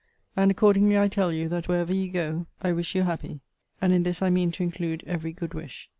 And accordingly I tell you, that, wherever you go, I wish you happy. And in this I mean to include every good wish.